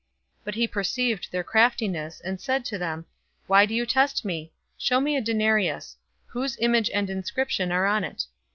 020:023 But he perceived their craftiness, and said to them, "Why do you test me? 020:024 Show me a denarius. Whose image and inscription are on it?"